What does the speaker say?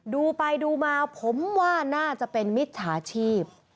ดูไปดูมาผมว่าน่าจะเป็นมิจฉาชีพ